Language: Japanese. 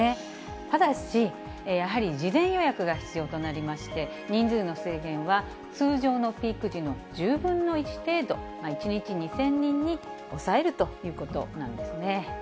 ただし、やはり事前予約が必要となりまして、人数の制限は通常のピーク時の１０分の１程度、１日２０００人に抑えるということなんですね。